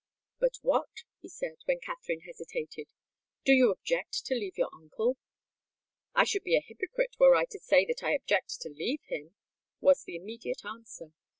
"But what?" he said, when Katherine hesitated. "Do you object to leave your uncle?" "I should be a hypocrite were I to say that I object to leave him," was the immediate answer.